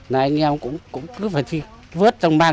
là anh em cũng cứ phải vớt trong bàn